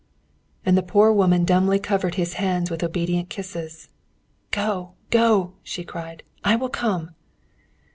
And the poor woman dumbly covered his hands with obedient kisses. "Go, go!" she cried. "I will come!"